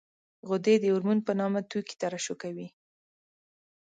غدې د هورمون په نامه توکي ترشح کوي.